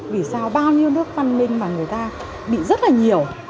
vì sao bao nhiêu nước văn minh mà người ta bị rất là nhiều